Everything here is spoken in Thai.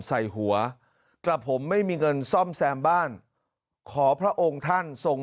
ใส่หัวกระผมไม่มีเงินซ่อมแซมบ้านขอพระองค์ท่านทรง